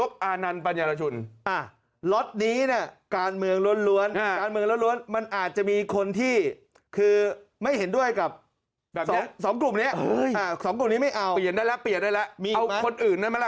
มาะนโดยกับสองกรุงนี้อ้าวสองกรุงนี้ไม่เอาเปรียญได้แล้ว